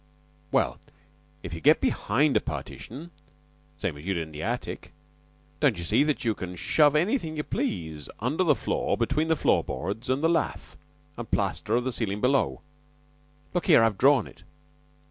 Well, if you get behind a partition, same as you did in the attic, don't you see that you can shove anything you please under the floor between the floor boards and the lath and plaster of the ceiling below? Look here. I've drawn it."